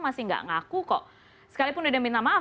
masih gak ngaku kok sekalipun udah minta maaf